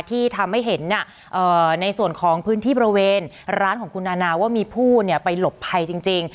ที่ทำให้เห็นในส่วนของพื้นที่บริเวณร้านของคุณนานาว่ามีผู้ไปหลบภัยจริง